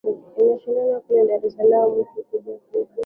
i na shindikana kweli dar es salaam mtu kuja ku